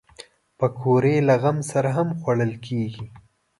پکورې له غم سره هم خوړل کېږي